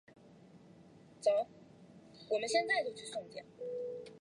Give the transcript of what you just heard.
还分别是世界第六大镍矿及白金生产国。